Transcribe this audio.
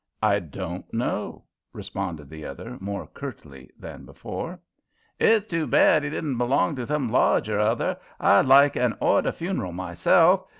"I don't know," responded the other, more curtly than before. "It's too bad he didn't belong to some lodge or other. I like an order funeral myself.